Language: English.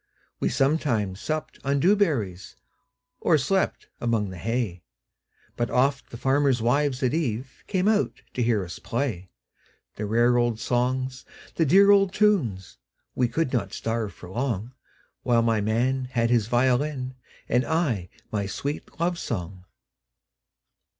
We sometimes supped on dew berries, Or slept among the hay, But oft the farmers' wives at eveCame out to hear us play; The rare old songs, the dear old tunes,—We could not starve for longWhile my man had his violin, And I my sweet love song.